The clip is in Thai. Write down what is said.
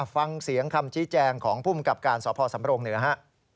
ฟังเสียงคำชี้แจงของภูมิกับการสพสำรงเหนือฮะ